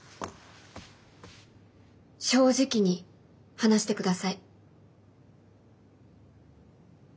正直に話してください。